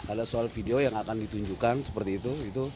ada soal video yang akan ditunjukkan seperti itu